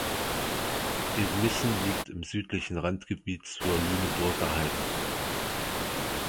Edemissen liegt im südlichen Randgebiet zur Lüneburger Heide.